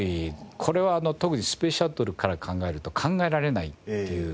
これは特にスペースシャトルから考えると考えられないっていう。